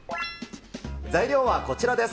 材料はこちらです。